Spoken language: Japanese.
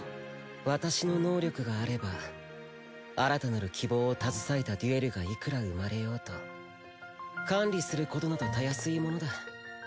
私の能力があれば新たなる希望を携えたデュエルがいくら生まれようと管理することなどたやすいものだ。